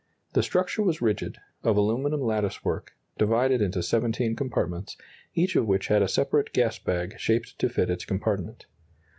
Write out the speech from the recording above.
The structure was rigid, of aluminum lattice work, divided into 17 compartments, each of which had a separate gas bag shaped to fit its compartment.